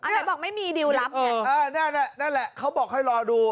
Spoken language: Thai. ใช่